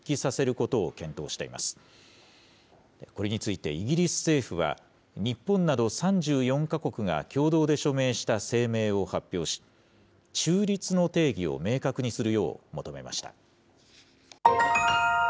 これについて、イギリス政府は、日本など３４か国が共同で署名した声明を発表し、中立の定義を明確にするよう求めました。